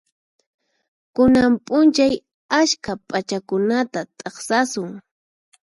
Kunan p'unchay askha p'achakunata t'aqsasun.